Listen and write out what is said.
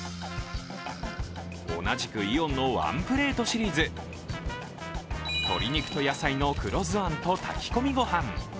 同じくイオンのワンプレートシリーズ、鶏肉と野菜の黒酢あんと炊き込みごはん。